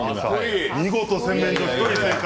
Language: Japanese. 見事、洗面所１人正解。